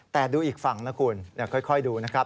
แต่ดูอีกฝั่งนะคุณค่อยดูนะครับ